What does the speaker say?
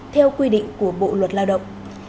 theo quy định của bộ luật lao động